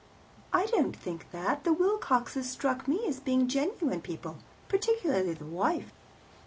" "I don't think that. The Wilcoxes struck me as being genuine people, particularly the wife."